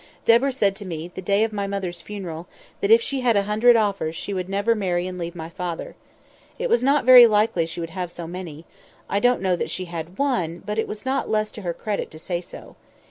"Deborah said to me, the day of my mother's funeral, that if she had a hundred offers she never would marry and leave my father. It was not very likely she would have so many—I don't know that she had one; but it was not less to her credit to say so.